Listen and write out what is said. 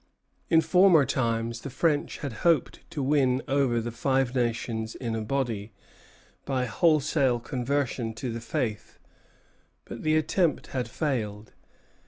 In former times the French had hoped to win over the Five Nations in a body, by wholesale conversion to the Faith; but the attempt had failed.